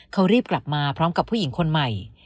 เขารีบกลับมาพร้อมกับผู้หญิงคนใหม่